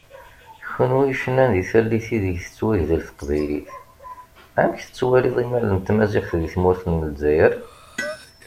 Kunwi yecnan di tallit ideg tettwagdel teqbaylit, amek tettwaliḍ imal n tmaziɣt di tmurt n Lezzayer?